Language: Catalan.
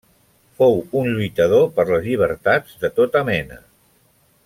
Fou un lluitador per les llibertats de tota mena.